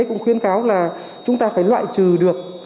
cũng khuyến cáo là chúng ta phải loại trừ được